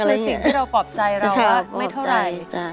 อันนี้คือสิ่งที่เราปลอบใจเราไม่เท่าไร